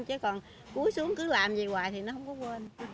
chứ còn cuối xuống cứ làm như vậy hoài thì nó không có quên